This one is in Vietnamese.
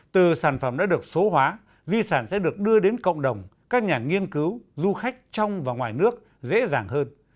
từ sản phẩm đã được số hóa di sản sẽ được đưa đến cộng đồng các nhà nghiên cứu du khách trong và ngoài nước dễ dàng hơn